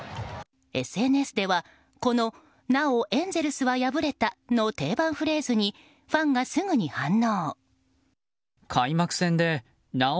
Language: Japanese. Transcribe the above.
ＳＮＳでは、このなおエンゼルスは敗れたの定番フレーズにファンがすぐに反応。